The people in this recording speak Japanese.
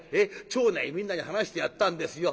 町内みんなに話してやったんですよ。